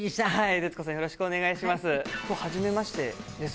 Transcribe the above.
徹子さん、よろしくお願いします。